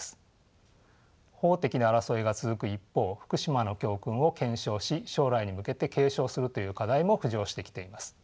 法的な争いが続く一方福島の教訓を検証し将来に向けて継承するという課題も浮上してきています。